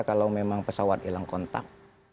kalau memang pesawat hilang kontak